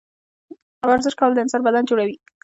ورزش کول د انسان بدن جوړوي